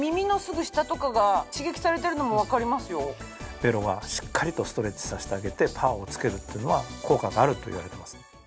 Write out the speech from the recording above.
ベロはしっかりとストレッチさせてあげてパワーをつけるっていうのは効果があるといわれてます。